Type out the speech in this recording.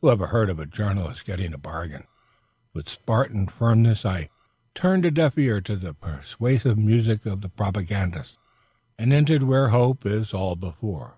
Who ever heard of a journalist getting a bargain? With Spartan firmness I turned a deaf ear to the persuasive music of the propagandist, and entered where hope is all before.